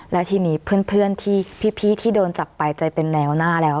และทีนี้เพื่อนที่พี่ที่โดนจับไปใจเป็นแนวหน้าแล้ว